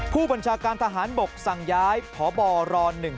ผู้บัญชาการทหารบกสั่งย้ายพบร๑๕